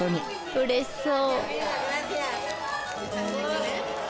うれしそう。